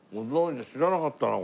知らなかったなこれ。